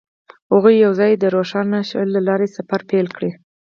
هغوی یوځای د روښانه شعله له لارې سفر پیل کړ.